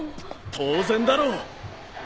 当然だろう。